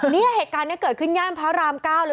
เนี่ยเหตุการณ์นี้เกิดขึ้นย่านพระราม๙เลย